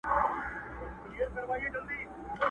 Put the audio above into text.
رندان سنګسار ته یوسي دوی خُمونه تښتوي٫